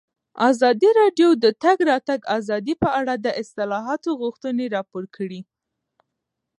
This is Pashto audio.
ازادي راډیو د د تګ راتګ ازادي په اړه د اصلاحاتو غوښتنې راپور کړې.